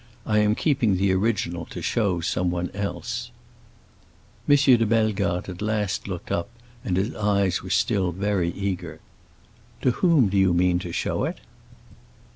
I am keeping the original to show someone else." M. de Bellegarde at last looked up, and his eyes were still very eager. "To whom do you mean to show it?"